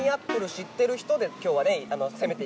知ってる人で今日はね攻めていきたいなと。